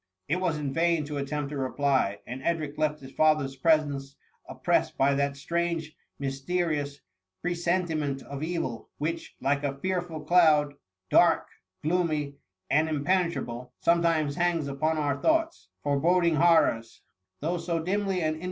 '' It was in vain to attempt a reply ; and Edric left his father'^s presence oppressed by that strange, mysterious presentiment of evil, which, like a fearful cloud, dark, gloomj, and impene trable, sometimes hangs upon our thoughts, foreboding horrors ; though so dimly and in.